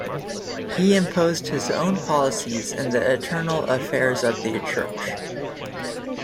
He imposed his own policies in the internal affairs of the Church.